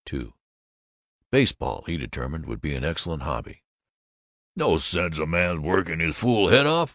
II Baseball, he determined, would be an excellent hobby. "No sense a man's working his fool head off.